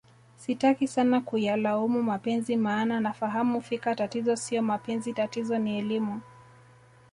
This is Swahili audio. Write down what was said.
sitaki sana kuyalaumu mapenzi maana nafahamu fika tatizo sio mapenzi tatizo ni elimu